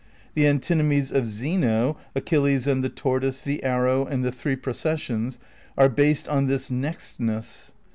The antinomies of Zeno — ^Achilles and the Tortoise ; the Arrow ; and the three Processions — are based on this nextness.